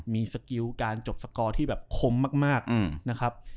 มีสกิลการจบสกอร์ที่แบบคมมากนะครับ